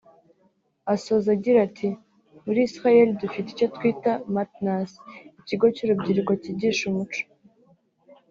Asoza agira ati “Muri Israel dufite icyo twita “Matnas” (Ikigo cy’urubyiruko cyigisha umuco